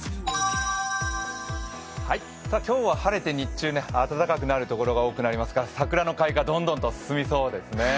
今日は晴れて日中暖かくなるところが多くなりますから桜の開花、どんどんと進みそうですね。